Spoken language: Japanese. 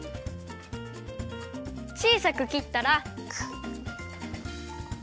ちいさく切ったら。